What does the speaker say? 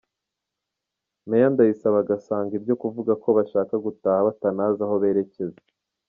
Meya Ndayisaba agasanga ibyo kuvuga ko bashaka gutaha batanazi aho berekeza.